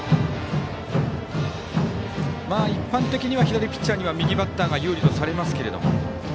一般的には左ピッチャーには右ピッチャーが有利とされますけれども。